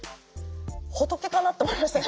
仏かなと思いました。